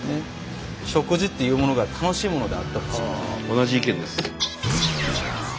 同じ意見です。